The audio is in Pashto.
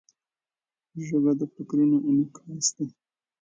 ژبه د فکرونو انعکاس دی